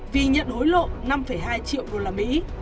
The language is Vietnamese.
vì nhận hối lộ năm hai triệu usd